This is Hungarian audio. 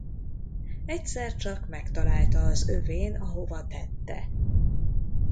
Egyszer csak megtalálta az övén ahova tette.